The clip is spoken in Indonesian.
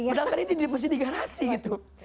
sedangkan ini masih di garasi gitu